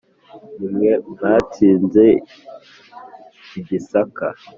ni mwe mwatsinze i gisaka